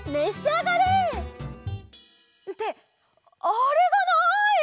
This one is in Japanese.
あれがない！